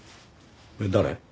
誰？